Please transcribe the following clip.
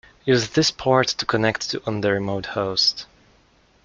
Use this port to connect to on the remote host.